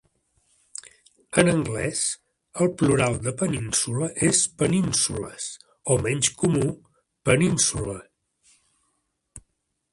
En anglès, el plural de "peninsula" és "peninsulas" o, menys comú, "peninsulae".